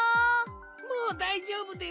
もうだいじょうぶです。